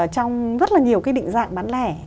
trong rất là nhiều cái định dạng bán lẻ